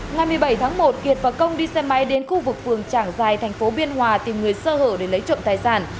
ngày một mươi bảy tháng một kiệt và công đi xe máy đến khu vực phường trảng giài thành phố biên hòa tìm người sơ hở để lấy trộm tài sản